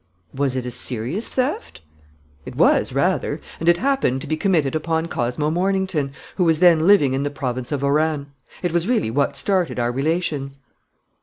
"Was it a serious theft?" "It was rather; and it happened to be committed upon Cosmo Mornington, who was then living in the Province of Oran. That was really what started our relations."